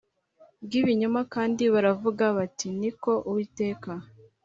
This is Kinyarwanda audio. Bw ibinyoma kandi baravuga bati ni ko uwiteka